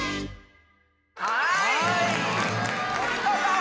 はい！